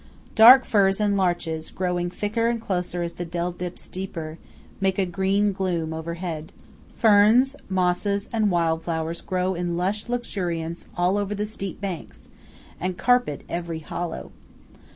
Dark firs and larches, growing thicker and closer as the dell dips deeper, make a green gloom overhead. Ferns, mosses, and wild flowers grow in lush luxuriance all over the steep banks, and carpet every hollow.